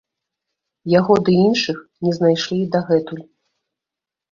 Яго ды іншых не знайшлі і дагэтуль.